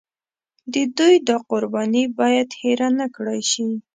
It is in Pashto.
د دوی دا قرباني باید هېره نکړای شي.